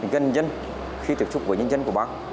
gần dân khi tiếp xúc với nhân dân của bác